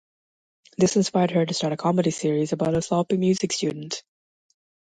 This inspired her to start a comedy series about a sloppy music student.